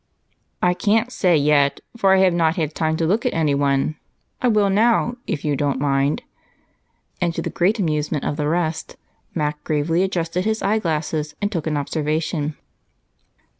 "I can't say yet, for I have not had time to look at anyone. I will now, if you don't mind." And, to the great amusement of the rest, Mac gravely adjusted his eyeglasses and took an observation.